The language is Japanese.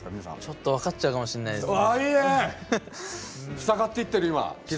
ちょっと分かっちゃうかもしれないですね。